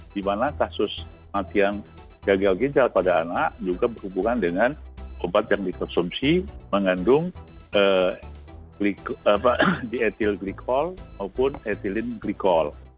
di mana kasus maat yang gagal ginjal pada anak juga berhubungan dengan obat yang dikonsumsi mengandung diethylglycol maupun ethylenglycol